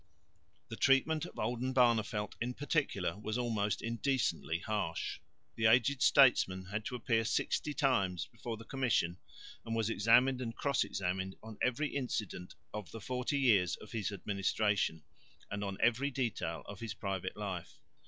The treatment of Oldenbarneveldt in particular was almost indecently harsh. The aged statesman had to appear sixty times before the commission and was examined and cross examined on every incident of the forty years of his administration and on every detail of his private life.